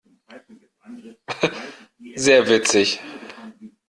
Sehr witzig!